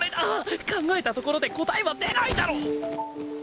考えたところで答えは出ないだろ！